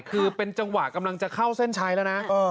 คือเป็นจังหวะกำลังจะเข้าเส้นชัยแล้วนะ